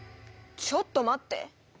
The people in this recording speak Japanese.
ちょっと待って！